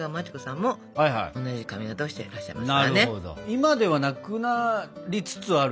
今ではなくなりつつあるさ